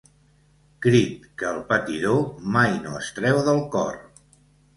Crit que el patidor mai no es treu del cor.